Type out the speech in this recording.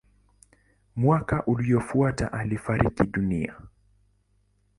Mwaka uliofuata alifariki dunia.